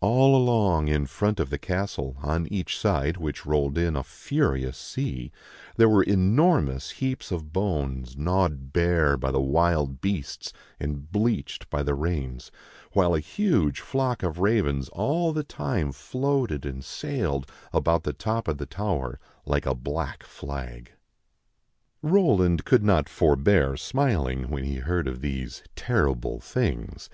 All along in front of the castle, on each side of which rolled in a furious sea, there were enormous heaps of bones gnawed bare by the wild beasts and bleached by the rains; while a huge flock of ravens all the time floated and sailed about the top of the tower, like a black flag. 129 130 THE FAIRY SPINNING WHEEL Roland could not forbear smiling, when he heard of these terrible things.